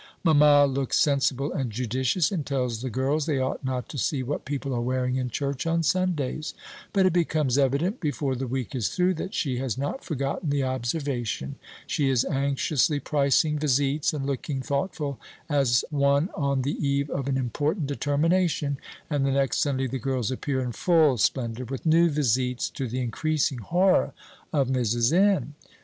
Mamma looks sensible and judicious, and tells the girls they ought not to see what people are wearing in church on Sundays; but it becomes evident, before the week is through, that she has not forgotten the observation. She is anxiously pricing visites, and looking thoughtful as one on the eve of an important determination; and the next Sunday the girls appear in full splendor, with new visites, to the increasing horror of Mrs. N.